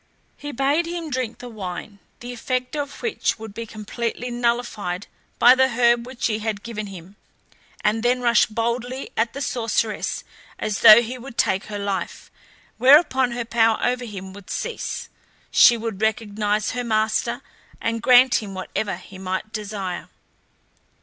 He bade him drink the wine, the effect of which would be completely nullified by the herb which he had given him, and then rush boldly at the sorceress as though he would take her life, whereupon her power over him would cease, she would recognize her master, and grant him whatever he might desire.